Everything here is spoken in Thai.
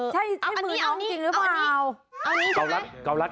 ใช่แม่มือน้องจริงหรือเปล่าเอาอันนี้เอาอันนี้